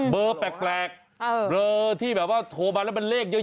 เบอร์แปลกเบอร์ที่แบบว่าโทรมาแล้วมันเลขเยอะ